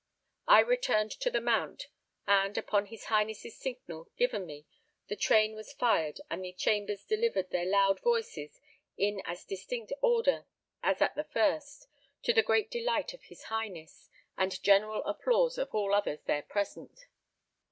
I returned to the mount, and, upon his Highness' signal given me, the train was fired and the chambers delivered their loud voices in as distinct order as at the first, to the great delight of his Highness, and general applause of all others there present.